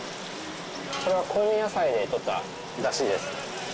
これは香味野菜で取った出汁です。